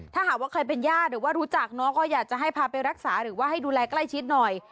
ถ้าหากว่าใครเป็นญาติหรือว่ารู้จักเนาะก็อยากจะให้พาไปรักษาหรือว่าให้ดูแลใกล้ชิดหน่อย